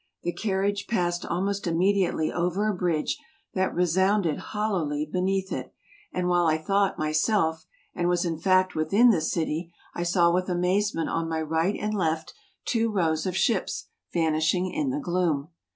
The carriage passed almost immediately over a bridge that resounded hollowly beneath it; and while I thought myself, and was, in fact, within the city, I saw with amazement on my right and left two rows of ships van ishing in the gloom.